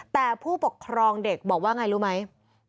แต่ผู้ปกครองเด็กบอกว่าไงรู้ไหม